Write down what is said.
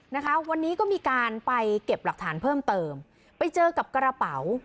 นะคะวันนี้ก็มีการไปเก็บหลักฐานเพิ่มเติมไปเจอกับกระเป๋า